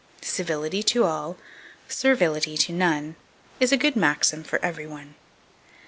Civility to all, servility to none, is a good maxim for every one.